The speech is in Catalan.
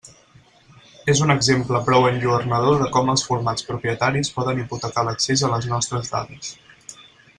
És un exemple prou enlluernador de com els formats propietaris poden hipotecar l'accés a les nostres dades.